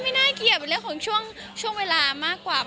ไม่น่าเกลียดเรื่องของช่วงเวลามากกว่า